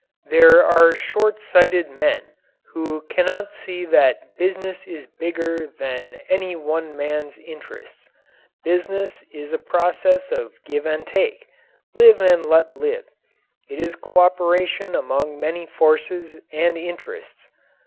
There are short sighted men who cannot see that business is bigger than any one man's interests. Business is a process of give and take, live and let live. It is cooperation among many forces and interests.